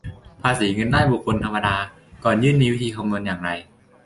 ภาษีเงินได้บุคคลธรรมดา ก่อนยื่นมีวิธีคำนวณอย่างไร